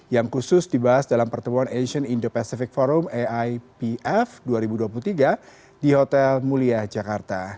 yang khusus dibahas dalam pertemuan asian indo pacific forum aipf dua ribu dua puluh tiga di hotel mulia jakarta